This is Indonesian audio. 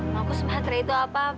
mau aku sebatre itu apa